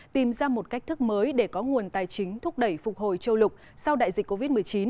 tìm ra một cách thức mới để có nguồn tài chính thúc đẩy phục hồi châu lục sau đại dịch covid một mươi chín